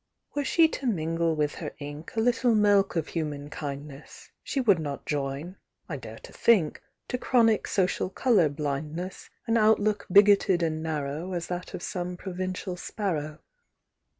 Were she to mingle with her ink A little milk of human kindness, She would not join, I dare to think, To chronic social color blindness An outlook bigoted and narrow As that of some provincial sparrow.